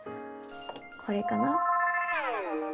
これかな？